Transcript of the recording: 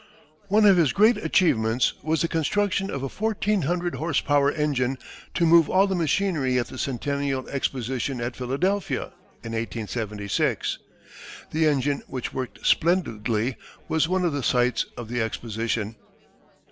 One of his great achievements was the construction of a 1400 horse power engine to move all the machinery at the centennial exposition at Philadelphia, in 1876. The engine, which worked splendidly, was one of the sights of the exposition.